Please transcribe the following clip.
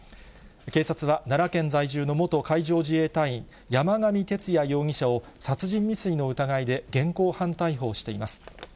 警察は、奈良県在住の元海上自衛隊員、山上徹也容疑者を殺人未遂の疑いで現行犯逮捕しています。